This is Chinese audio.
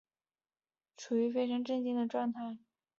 处於非常震惊的状态